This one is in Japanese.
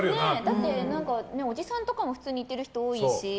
だって、おじさんとかも普通に行ってる人多いし。